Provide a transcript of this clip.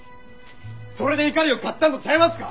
それで怒りを買ったんとちゃいますか？